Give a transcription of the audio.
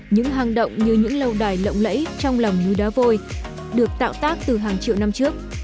những hang động như những lâu đài lộng lẫy trong lòng núi đá vôi được tạo tác từ hàng triệu năm trước